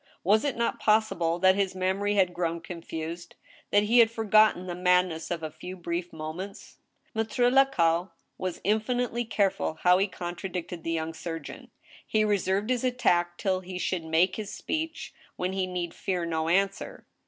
Was it not possible that his memory had grown confused, that he had foigotten the madness of a few brief mo ments ? Maltre Lacaille was infinitely careful how he contradicted the young surgeon. He resented his attack till he should make his speech, when he need fear no answer.